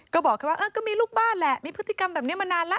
ก็บอกแค่ว่าก็มีลูกบ้านแหละมีพฤติกรรมแบบนี้มานานแล้ว